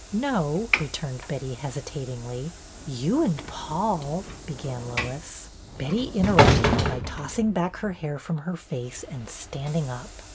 " No," returned Betty, hesitatingly. " You and Paul —" began Lois. Betty interrupted her by tossing back her hair from her face and standing up.